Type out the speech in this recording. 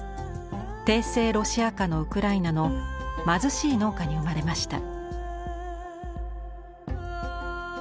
帝政ロシア下のウクライナの貧しい農家に生まれました。